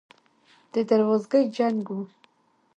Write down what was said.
د دروازګۍ جنګ و.